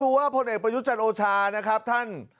ว่าพลเอกประยุจันทร์โอชานะครับท่าน